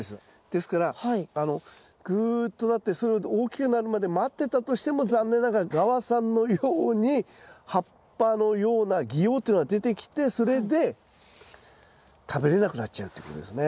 ですからぐっとなってそれが大きくなるまで待ってたとしても残念ながらがわさんのように葉っぱのような擬葉というのが出てきてそれで食べれなくなっちゃうということですね。